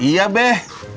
eh kana k burn